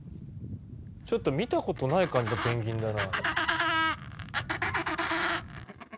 ちょっと見た事ない感じのペンギンだな。